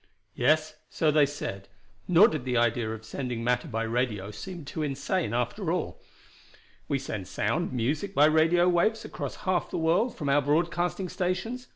"Yes, so they said, nor did the idea of sending matter by radio seem too insane, after all. We send sound, music by radio waves across half the world from our broadcasting stations.